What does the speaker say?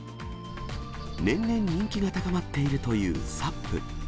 年々人気が高まっているというサップ。